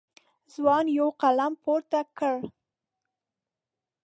ځوان یو قلم پورته کړ.